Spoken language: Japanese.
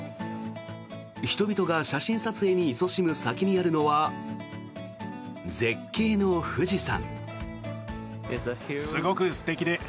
人々が写真撮影にいそしむ先にあるのは、絶景の富士山。